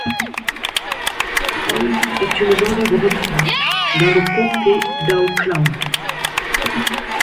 Troy est une banlieue de Détroit, dans le comté d'Oakland.